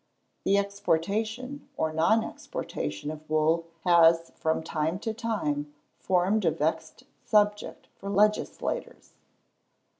The exportation or non exportation of wool has from time to time formed a vexed subject for legislators.